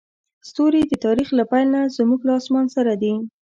ستوري د تاریخ له پیل نه زموږ له اسمان سره دي.